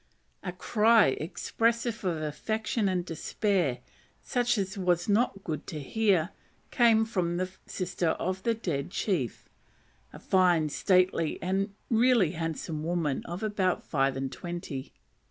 A cry expressive of affection and despair, such as was not good to hear, came from the sister of the dead chief, a fine, stately and really handsome woman of about five and twenty.